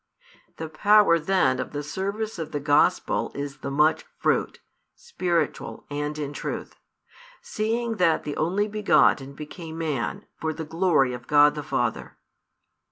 The power then of the service of the Gospel is the much fruit, spiritual, and in truth; seeing that the Only begotten became Man for the glory of God the Father.